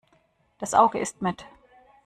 Das Auge isst mit.